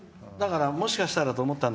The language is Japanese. もしかしたらと思ったの。